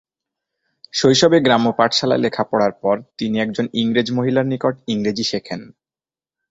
শৈশবে গ্রাম্য পাঠশালায় লেখাপড়ার পর তিনি একজন ইংরেজ মহিলার নিকট ইংরেজি শেখেন।